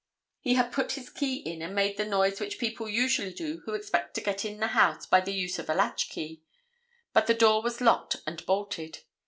He had put his key in and made the noise which people usually do who expect to get in the house by the use of a latch key. But the door was locked and bolted.